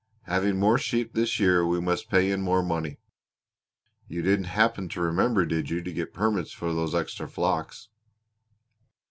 Having more sheep this year we must pay in more money. You didn't happen to remember, did you, to get permits for those extra flocks?"